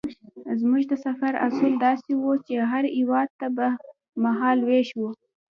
زموږ د سفر اصول داسې وو چې هر هېواد ته به مهال وېش وو.